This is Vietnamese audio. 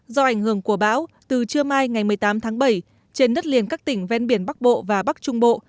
do ảnh hưởng của bão từ trưa mai ngày một mươi tám tháng bảy trên đất liền các tỉnh ven biển bắc bộ và bắc trung bộ